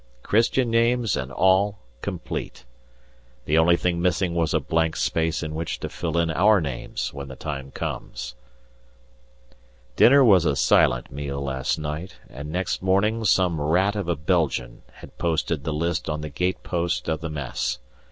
Christian names and all complete. The only thing missing was a blank space in which to fill in our names when the time comes. Dinner was a silent meal last night, and next morning some rat of a Belgian had posted the list on the gatepost of the Mess.